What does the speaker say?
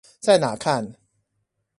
在哪看？